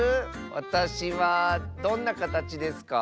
わたしはどんなかたちですか？